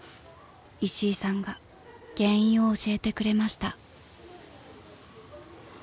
［石井さんが原因を教えてくれました］